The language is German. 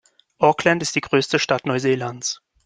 Auckland ist die größte Stadt Neuseelands.